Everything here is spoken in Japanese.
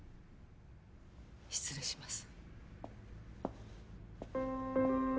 失礼します。